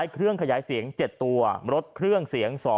พร้อมรถเครื่องเสียง๒